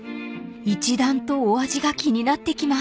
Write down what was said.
［一段とお味が気になってきます］